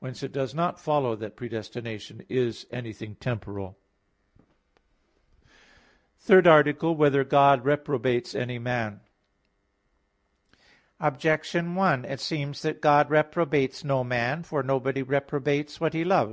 Whence it does not follow that predestination is anything temporal. _______________________ THIRD ARTICLE [I, Q. 23, Art. 3] Whether God Reprobates Any Man? Objection 1: It seems that God reprobates no man. For nobody reprobates what he loves.